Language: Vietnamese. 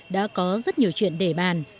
đã có rất nhiều chuyện để bàn